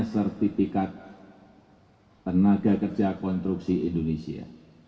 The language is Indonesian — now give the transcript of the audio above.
sertifikat tenaga kerja konstruksi indonesia